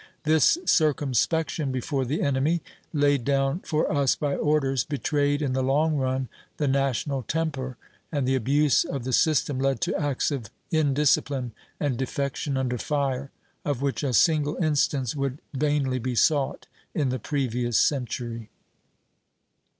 This circumspection before the enemy, laid down for us by orders, betrayed in the long run the national temper; and the abuse of the system led to acts of indiscipline and defection under fire, of which a single instance would vainly be sought in the previous century."